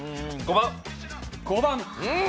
５番。